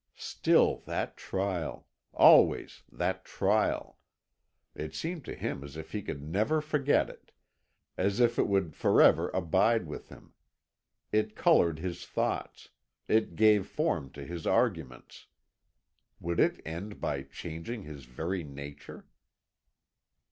Still that trial. Always that trial. It seemed to him as if he could never forget it, as if it would forever abide with him. It coloured his thoughts, it gave form to his arguments. Would it end by changing his very nature?